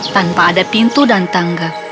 tanpa ada pintu dan tangga